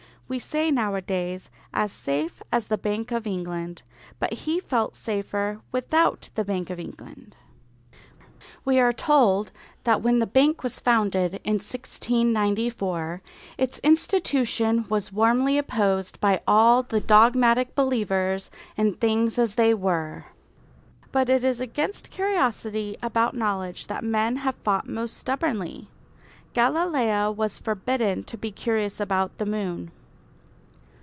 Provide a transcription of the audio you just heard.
We say nowadays "as safe as the Bank of England," but he felt safer without the Bank of England. We are told that when the Bank was founded in 1694 its institution was warmly opposed by all the dogmatic believers in things as they were. But it is against curiosity about knowledge that men have fought most stubbornly. Galileo was forbidden to be curious about the moon.